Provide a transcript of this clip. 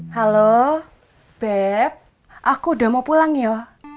halo bep aku udah mau pulang ya